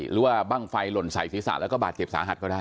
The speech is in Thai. หรือว่าบ้างไฟหล่นใส่ศีรษะแล้วก็บาดเจ็บสาหัสก็ได้